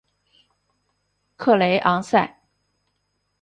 克雷昂塞。